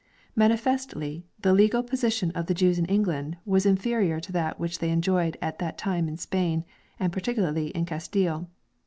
Manifestly, the legal position of the Jews in England was inferior to that which they enjoyed at that time in Spain and particu larly in Castile.